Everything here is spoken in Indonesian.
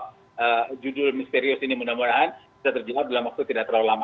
kalau judul misterius ini mudah mudahan bisa terjawab dalam waktu tidak terlalu lama